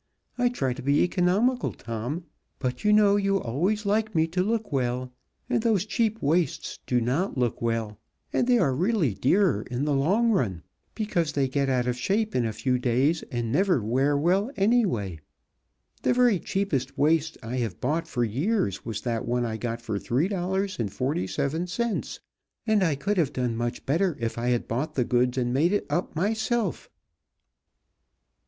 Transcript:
I try to be economical, Tom, but you know you always like me to look well, and those cheap waists do not look well, and they are really dearer in the long run, because they get out of shape in a few days, and never wear well, anyway. The very cheapest waist I have bought for years was that one I got for three dollars and forty seven cents, and I could have done much better if I had bought the goods and made it up myself."